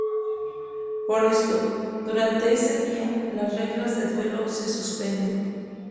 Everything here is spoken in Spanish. Por esto, durante este día, las reglas de duelo se suspenden.